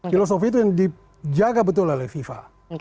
filosofi itu yang dijaga betul oleh fifa